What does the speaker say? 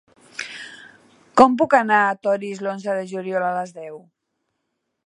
Com puc anar a Torís l'onze de juliol a les deu?